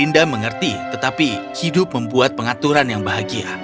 kami tidak mengerti tetapi hidup membuat pengaturan yang bahagia